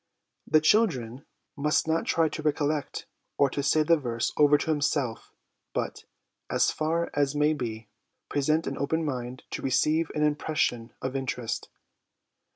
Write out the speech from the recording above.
The child must not try to recollect or to say the verse over to himself, but, as far as may be, present an open mind to receive an impression of interest.